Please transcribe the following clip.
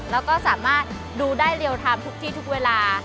แล้วก็สามารถดูได้เรียลไทม์ทุกที่ทุกเวลา